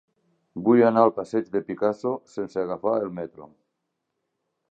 Vull anar al passeig de Picasso sense agafar el metro.